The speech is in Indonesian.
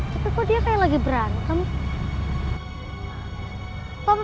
tapi kok dia kayak lagi berantem